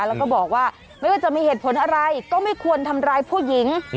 แล้วก็บอกว่าไม่ว่าจะมีเหตุผลอะไรก็ไม่ควรทำร้ายผู้หญิง